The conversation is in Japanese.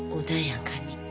穏やかに。